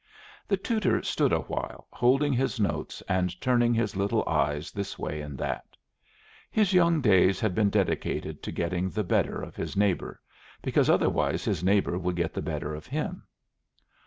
The tutor stood awhile, holding his notes and turning his little eyes this way and that. His young days had been dedicated to getting the better of his neighbor, because otherwise his neighbor would get the better of him.